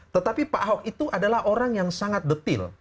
tetapi pak ahok itu adalah orang yang sangat detil